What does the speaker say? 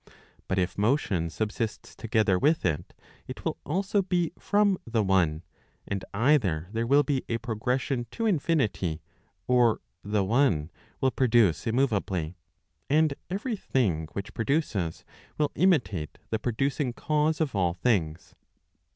But if motion subsists together with it, it will also be from the one , and either there will be a progression to infinity, or the one will produce immoveably; and every thing which produces will imitate the producing cause of all things.